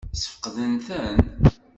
Ssfeqden-ten?